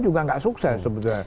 juga nggak sukses